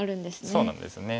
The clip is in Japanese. そうなんですよね。